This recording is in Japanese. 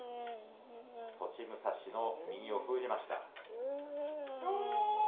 栃武蔵の右を封じました。